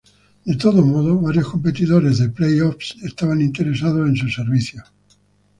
De todos modos, varios competidores de playoffs estaban interesados en sus servicios.